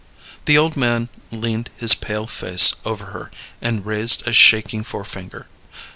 The old man leaned his pale face over her and raised a shaking forefinger.